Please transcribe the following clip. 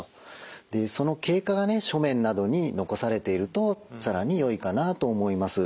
その経過が書面などに残されていると更によいかなと思います。